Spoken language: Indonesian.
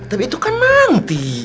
tapi itu kan nanti